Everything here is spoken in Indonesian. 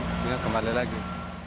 hingga kembali lagi